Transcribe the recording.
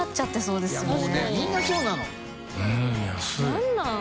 何なん？